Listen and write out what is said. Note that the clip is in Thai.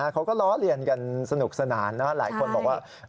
เขาก็ล้อเลียนกันสนุกสนานหลายคนบอกว่า